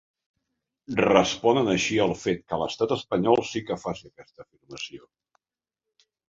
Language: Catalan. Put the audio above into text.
Responen així al fet que l'Estat espanyol sí que faci aquesta afirmació.